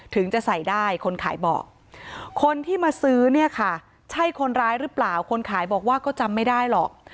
ถึงจะใส่ได้คนขายบอกคนที่มาซื้อเนี่ยค่ะใช่คนร้ายหรือเปล่าคนขายบอกว่าก็จำไม่ได้หรอก